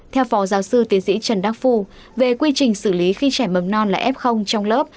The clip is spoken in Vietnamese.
theo phó giáo sư tiến sĩ trần đắc phu về quy trình xử lý khi trẻ mầm non là f trong lớp